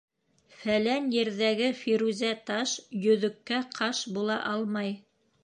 Фәлән ерҙәге фирүзә таш йөҙөккә ҡаш була алмай.